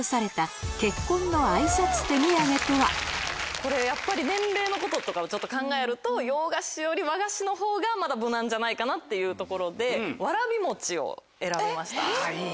これやっぱり年齢のこととかをちょっと考えると洋菓子より和菓子のほうがまだ無難じゃないかなっていうところで。を選びました。